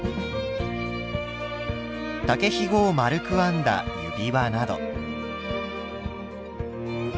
竹ひごを丸く編んだ指輪など。